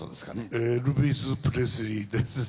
エルヴィス・プレスリーですね。